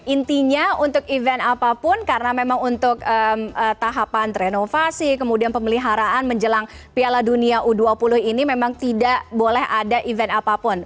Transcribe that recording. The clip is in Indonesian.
intinya untuk event apapun karena memang untuk tahapan renovasi kemudian pemeliharaan menjelang piala dunia u dua puluh ini memang tidak boleh ada event apapun